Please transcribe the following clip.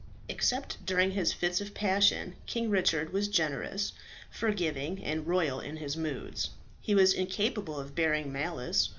Except during his fits of passion, King Richard was generous, forgiving, and royal in his moods. He was incapable of bearing malice.